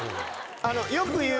よく言う。